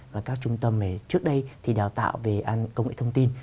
và các trung tâm này trước đây thì đào tạo về công nghệ thông tin